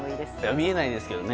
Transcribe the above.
見えないですけどね。